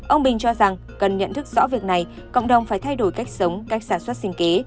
ông bình cho rằng cần nhận thức rõ việc này cộng đồng phải thay đổi cách sống cách sản xuất sinh kế